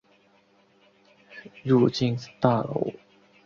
入境大楼